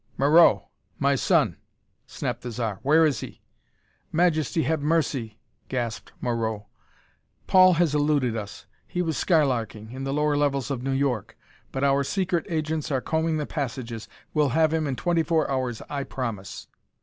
"Moreau my son!" snapped the Zar. "Where is he?" "Majesty! Have mercy!" gasped Moreau. "Paul has eluded us. He was skylarking in the lower levels of New York. But our secret agents are combing the passages. We'll have him in twenty four hours. I promise!"